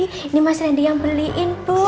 ini mas randy yang beliin bu